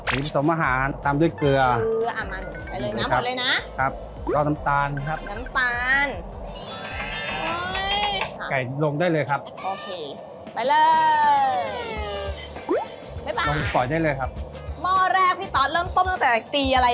ผีมสมอาหารทำด้วยเกลือเอามาหนูไปเลยน้ำหมดเลยนะครับ